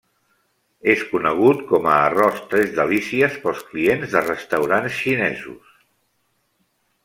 És conegut com a arròs tres delícies pels clients de restaurants xinesos.